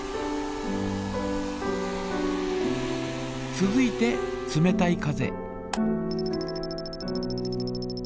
続いて冷たい風。